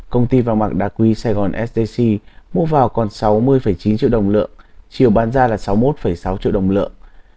công ty vàng bạc đa quý sài gòn sdc mua vào còn sáu mươi chín triệu đồng một lượng chiều bán ra là sáu mươi một sáu triệu đồng một lượng